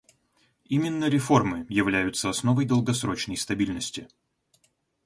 Именно реформы являются основой долгосрочной стабильности.